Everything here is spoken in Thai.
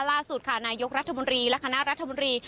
ล่าสุดค่ะนายกรัฐมนตรีและคณะรัฐมนตรี